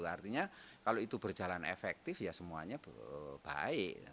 artinya kalau itu berjalan efektif ya semuanya baik